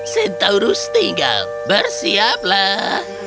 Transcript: centaurus tinggal bersiaplah